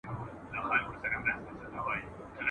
د داسي قوي شخصیت خاوند وو ..